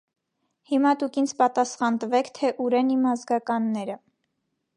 Հիմա դուք ինձ պատասխան տվեք, թե ո՞ւր են իմ ազգականները։